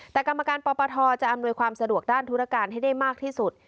แต่กรรมการปปทจะอำนวยความสะดวกด้านธุรการให้ได้มากที่สุด